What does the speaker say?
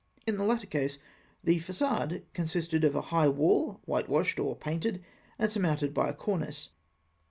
In the latter case the façade consisted of a high wall, whitewashed or painted, and surmounted by a cornice.